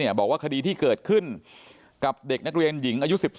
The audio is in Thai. เรื่องนี้เนี่ยบอกว่าคดีที่เกิดขึ้นกับเด็กนักเรียนหญิงอายุ